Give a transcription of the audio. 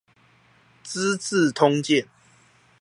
資治通鑑